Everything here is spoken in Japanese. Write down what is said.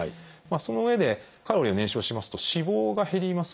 そのうえでカロリーを燃焼しますと脂肪が減りますよね。